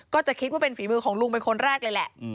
ก็จะคิดว่าเป็นฝีมือของลุงเป็นคนแรกเลยแหละ